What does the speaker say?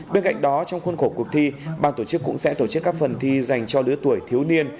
bên cạnh đó trong khuôn khổ cuộc thi bang tổ chức cũng sẽ tổ chức các phần thi dành cho lứa tuổi thiếu niên